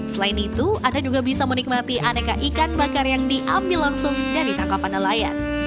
selain itu anda juga bisa menikmati aneka ikan bakar yang diambil langsung dan ditangkap pada nelayan